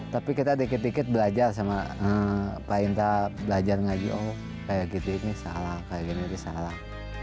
tapi kita dikit dikit belajar sama perintah belajar ngaji oh kayak gitu ini salah kayak gini salah